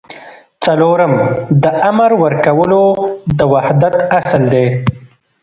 څلورم د امر ورکولو د وحدت اصل دی.